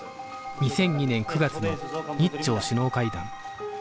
２００２年９月の日朝首脳会談